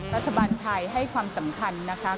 รัฐบาลไทยให้ความสำคัญนะคะ